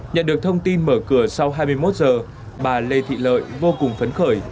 nhận được thông tin mở cửa sau hai mươi một giờ bà lê thị lợi vô cùng phấn khởi